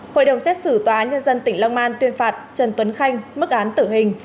hội đồng xét xử tòa án nhân dân tỉnh long an tuyên phạt trần tuấn khanh mức án tử hình